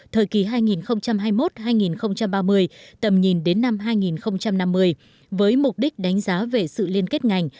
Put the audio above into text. thời kỳ hai nghìn hai mươi một hai nghìn ba mươi tầm nhìn đến năm hai nghìn năm mươi với mục đích đánh giá về sự liên kết ngành